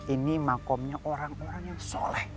ini makomnya orang orang yang soleh